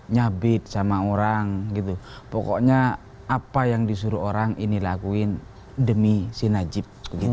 nyabit sama orang pokoknya apa yang disuruh orang ini lakuin demi si najib